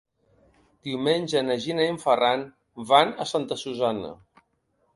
Diumenge na Gina i en Ferran van a Santa Susanna.